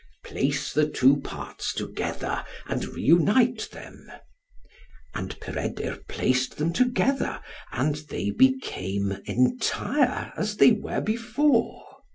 "Place the two parts together, and reunite them," and Peredur placed them together, and they became entire as they were before.